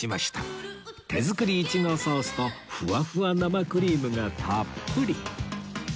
手作りイチゴソースとふわふわ生クリームがたっぷり！